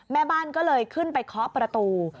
แม่บ้านก็เลยขึ้นไปเคาะประตู